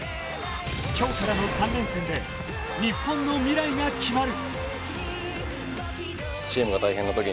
今日からの３連戦で日本の未来が決まる。